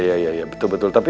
ya ya ya betul betul